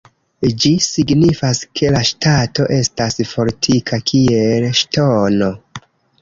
Ĝi signifas, ke la ŝtato estas fortika kiel ŝtono.